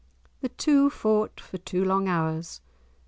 The two fought for two long hours.